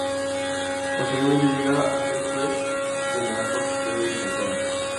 Posteriormente llega a ser Juez de la Corte Superior de Saigón.